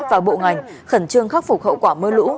và bộ ngành khẩn trương khắc phục hậu quả mưa lũ